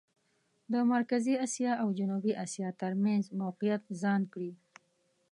د مرکزي اسیا او جنوبي اسیا ترمېنځ موقعیت ځان کړي.